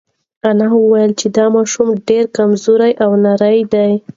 انا وویل چې دا ماشوم ډېر کمزوری او نری دی.